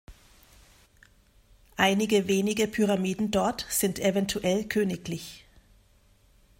Einige wenige Pyramiden dort sind eventuell königlich.